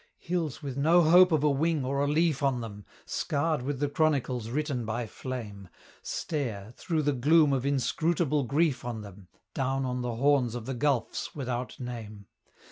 Hills with no hope of a wing or a leaf on them, Scarred with the chronicles written by flame, Stare, through the gloom of inscrutable grief on them, Down on the horns of the gulfs without name.